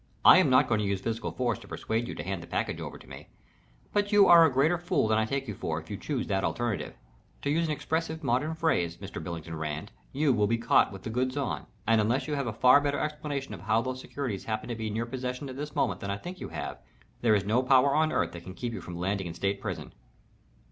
I am not going to use physical force to persuade you to hand the package over to me, but you are a greater fool than I take you for if you choose that alternative. To use an expressive modern phrase, Mr. Billington Rand, you will be caught with the goods on, and unless you have a far better explanation of how those securities happen in your possession at this moment than I think you have, there is no power on earth can keep you from landing in state prison."